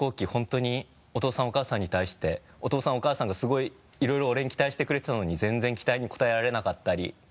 本当にお父さんお母さんに対してお父さんお母さんがすごいいろいろ俺に期待してくれていたのに全然期待に応えられなかったり。